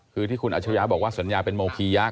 คือที่คุณอัชริยะบอกว่าสัญญาเป็นโมคียักษ